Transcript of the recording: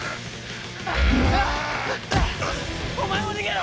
お前も逃げろ！